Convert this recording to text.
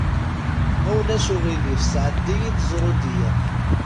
Ma ulac aɣilif sɛeddi-yi-d ẓrudya.